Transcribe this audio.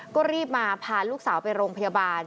ก็รีบมาพาลูกสาวไปโรงพยาบาล